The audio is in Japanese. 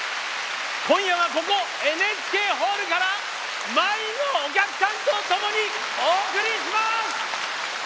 今夜は、ここＮＨＫホールから満員のお客さんとともにお送りします！